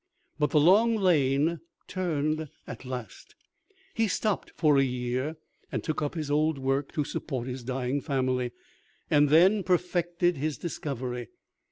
But the long lane turned at last. He stopped for a year, and took up his old work to support his dying family, and then perfected his discovery.